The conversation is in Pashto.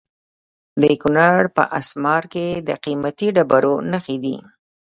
د کونړ په اسمار کې د قیمتي ډبرو نښې دي.